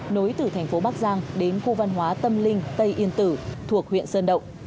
nối từ thành phố bắc giang đến khu văn hóa tâm linh tây yên tử thuộc huyện sơn động